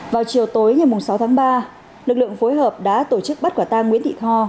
vào chiều tối ngày sáu tháng ba lực lượng phối hợp đã tổ chức bắt quả tang nguyễn thị tho